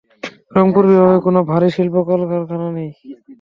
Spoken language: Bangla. রংপুর বিভাগে কোনো ভারী শিল্প কলকারখানা নেই।